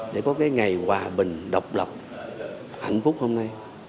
để có cái ngày hòa bình độc lập hạnh phúc hôm nay